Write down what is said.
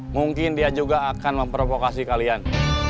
mungkin dia juga akan memprovokasikan